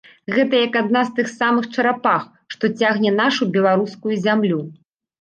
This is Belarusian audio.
Гэта як адна з тых самых чарапах, што цягне нашу беларускую зямлю.